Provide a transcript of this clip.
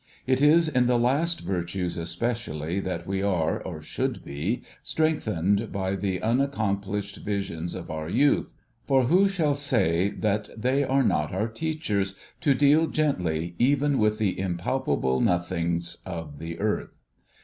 It is in the last virtues especially, that we are, or should be, strengthened by the unaccomplished visions of our youth ; for, who shall say that they are not our teachers to deal gently even with the impalpable nothings of the earth